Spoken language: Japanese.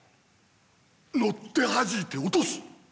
乗ってはじいて落とす！